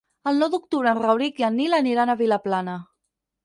El nou d'octubre en Rauric i en Nil aniran a Vilaplana.